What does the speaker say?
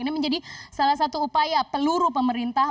ini menjadi salah satu upaya peluru pemerintah